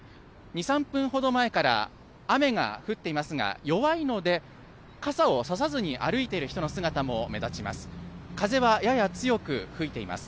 ２、３分ほど前から雨が降ってますが弱いので傘を差さずに歩いている人の姿も目立ちます。